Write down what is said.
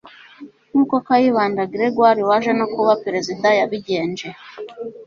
nk uko kayibanda gregoire waje no kuba perezida yabigenje